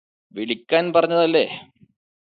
വിളിക്കാൻ പറഞ്ഞതല്ലേ